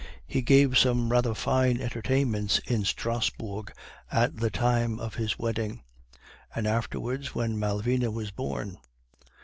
He gave some rather fine entertainments in Strasbourg at the time of his wedding, and afterwards when Malvina was born.